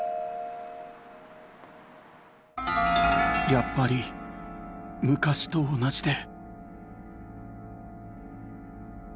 「やっぱり昔と同じで」